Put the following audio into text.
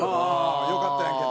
「よかったやんけ」と。